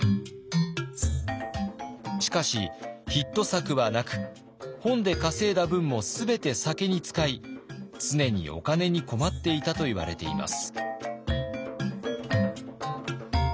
しかしヒット作はなく本で稼いだ分も全て酒に使い常にお金に困っていたといわれています。